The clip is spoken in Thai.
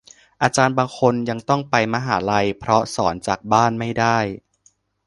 อาจารย์บางคนยังต้องไปมหาลัย เพราะสอนจากบ้านไม่ได้